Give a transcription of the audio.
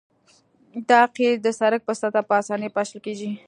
دا قیر د سرک په سطحه په اسانۍ پاشل کیږي